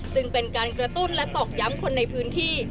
จึงเป็นการกระตุ้นและตอกย้ำคนในพื้นที่